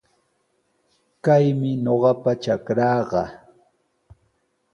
Kaymi ñuqapa trakraaqa.